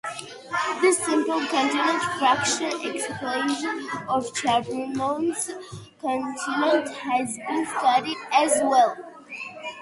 The simple continued fraction expansion of Champernowne's constant has been studied as well.